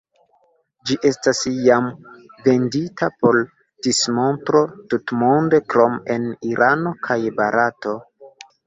Ĝi estas jam vendita por dismontro tutmonde, krom en Irano kaj Barato.